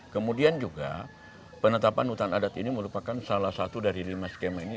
kemudian juga penetapan hutan adat ini merupakan salah satu dari lima skema ini